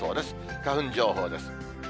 花粉情報です。